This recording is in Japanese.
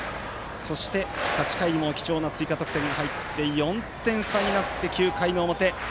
そして、８回にも貴重な追加得点が入って４点差になって９回の表。